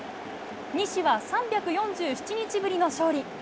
西は３４７日ぶりの勝利。